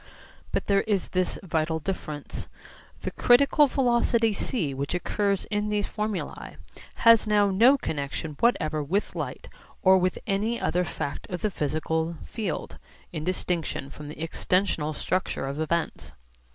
But there is this vital difference: the critical velocity c which occurs in these formulae has now no connexion whatever with light or with any other fact of the physical field (in distinction from the extensional structure of events).